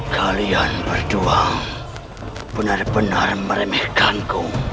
kalian berdua benar benar meremehkanku